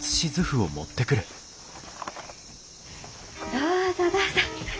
どうぞどうぞ。